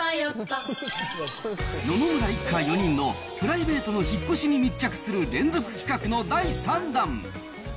野々村一家４人のプライベートの引っ越しに密着する連続企画の第３弾。